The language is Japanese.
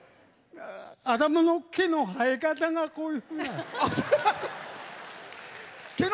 頭の毛の生え方がこういうふうなの。